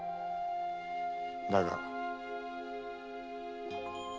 だが。